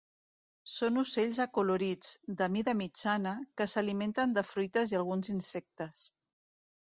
Són ocells acolorits, de mida mitjana, que s'alimenten de fruites i alguns insectes.